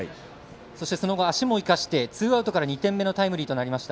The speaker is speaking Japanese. その後、足も生かしてツーアウトから２点目のタイムリーとなりました。